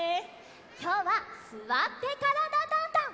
きょうは「すわってからだ☆ダンダン」。